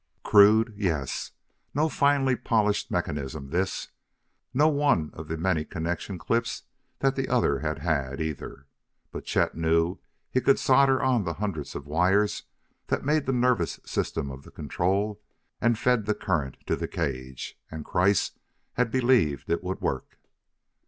Crude! yes; no finely polished mechanism, this; no one of the many connection clips that the other had had, either. But Chet knew he could solder on the hundreds of wires that made the nervous system of the control and fed the current to the cage; and Kreiss had believed it would work!